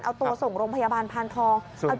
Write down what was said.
เอาตัวส่งโรงพยาบาลพานทอง